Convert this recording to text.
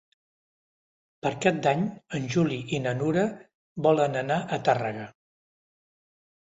Per Cap d'Any en Juli i na Nura volen anar a Tàrrega.